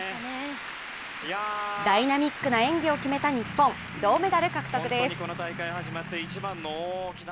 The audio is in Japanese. ダイナミックな演技を決めた日本、銅メダル獲得です。